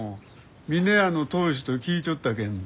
峰屋の当主と聞いちょったけんど。